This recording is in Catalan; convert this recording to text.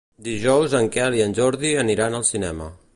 Dijous en Quel i en Jordi aniran al cinema.